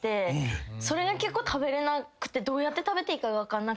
それで結構食べれなくてどうやって食べていいか分かんなくて。